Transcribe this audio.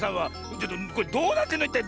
ちょっとこれどうなってんのいったい？